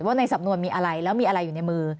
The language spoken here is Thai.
ในสำนวนมีอะไรแล้วมีอะไรอยู่ในมือ